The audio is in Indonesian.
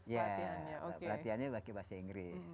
mau gak mau pakai bahasa inggris